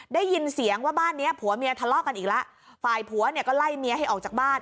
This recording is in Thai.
ได้ยินเสียงว่าบ้านเนี้ยผัวเมียทะเลาะกันอีกแล้วฝ่ายผัวเนี่ยก็ไล่เมียให้ออกจากบ้าน